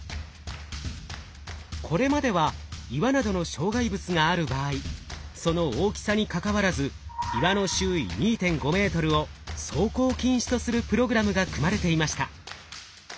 これまでは岩などの障害物がある場合その大きさにかかわらず岩の周囲２．５ｍを走行禁止とするプログラムが組まれていました。